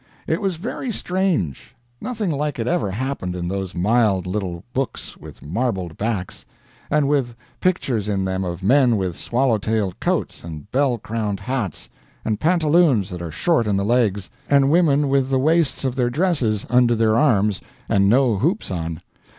It was very strange nothing like it ever happened in those mild little books with marbled backs, and with pictures in them of men with swallow tailed coats and bell crowned hats, and pantaloons that are short in the legs, and women with the waists of their dresses under their arms, and no hoops on.